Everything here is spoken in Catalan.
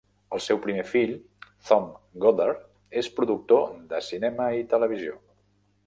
El seu primer fill, Thom Goddard, és productor de cinema i televisió.